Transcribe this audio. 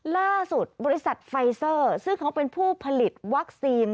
บริษัทไฟเซอร์ซึ่งเขาเป็นผู้ผลิตวัคซีน